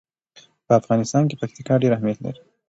په افغانستان کې پکتیکا ډېر اهمیت لري.